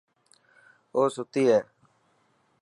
اوستي هي.